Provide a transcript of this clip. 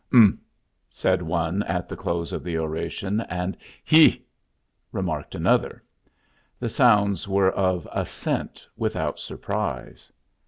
"Ump!" said one, at the close of the oration, and "Heh!" remarked another. The sounds were of assent without surprise.